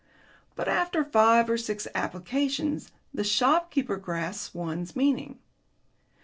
But after five or six applications the shopkeeper grasps one's meaning.